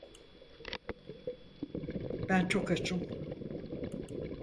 Ben çok açım.